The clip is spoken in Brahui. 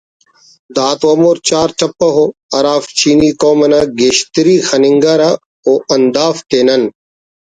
دا تو ہمو چار تپہ ءُ ہرافک چینی قوم انا گیشتری خننگرہ و ہندافتے نن